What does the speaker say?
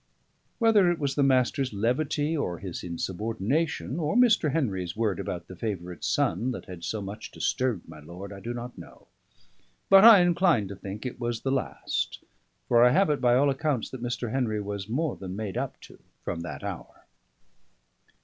Whether it was the Master's levity, or his insubordination, or Mr. Henry's word about the favourite son, that had so much disturbed my lord, I do not know: but I incline to think it was the last, for I have it by all accounts that Mr. Henry was more made up to from that hour.